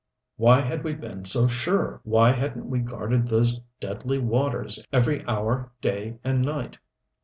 Why had we been so sure! Why hadn't we guarded those deadly waters every hour, day and night.